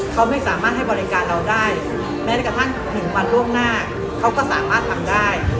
เขาไม่สามารถให้บริการเราได้แม้กระทั่ง๑วันล่วงหน้าเขาก็สามารถทำได้